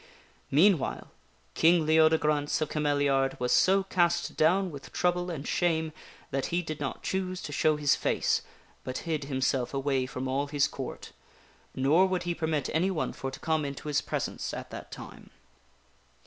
Meanwhile, King Leodegrance of Cameliard was so cast down with trouble and shame that he did not choose to show his face, but hid him self away from all his Court. Nor would he permit anyone for to come into his presence at that time.